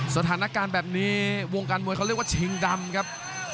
สถานการณ์แบบนี้วงการมวยเขาเรียกว่าชิงดำครับ